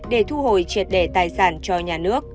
để thu hồi triệt đề tài sản cho nhà nước